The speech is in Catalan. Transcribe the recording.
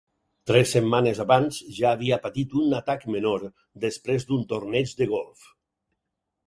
Tres setmanes abans ja havia patit un atac menor després d'un torneig de golf.